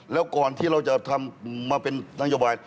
แล้วก่อนที่เราทำจะเงินอยุบัย